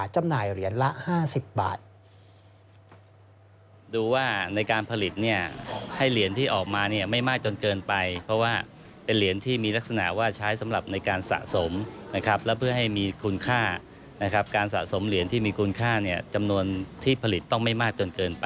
ชนิดราคา๕๐บาทจำหน่ายเหรียญละ๕๐บาท